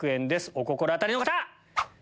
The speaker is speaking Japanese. お心当たりの方！